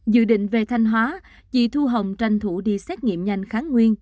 dự định về thanh hóa chị thu hồng tranh thủ đi xét nghiệm nhanh kháng nguyên